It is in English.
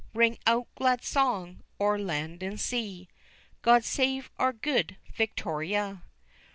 Ring out glad song o'er land and sea; God save our Good Victoria!